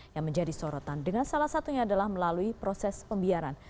yang menjadi sorotan dengan salah satunya adalah melalui proses pembiaran